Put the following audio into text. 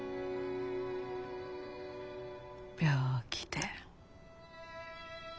病気で。